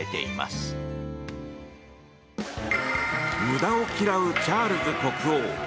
無駄を嫌うチャールズ国王。